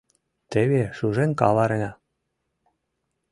Теве шужен каварена!